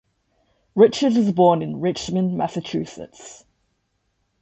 Richards was born in Richmond, Massachusetts.